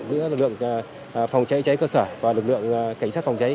giữa lực lượng phòng cháy cháy cơ sở và lực lượng cảnh sát phòng cháy